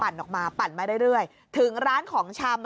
ปั่นออกมาปั่นไปเรื่อยเรื่อยถึงร้านของชำ